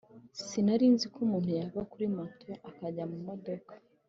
Sinarinziko umuntu yava kuri moto akajya kumodoka